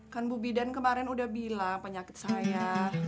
kan bu bidan kemarin udah bilang penyakit saya